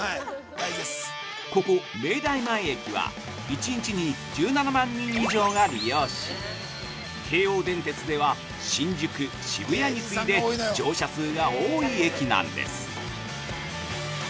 ここ明大前駅は１日に１７万以上が利用し、京王電鉄では、新宿・渋谷に次いで乗車数が多い駅なんです。